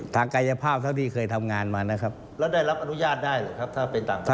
กายภาพเท่าที่เคยทำงานมานะครับแล้วได้รับอนุญาตได้หรือครับถ้าเป็นต่างชาติ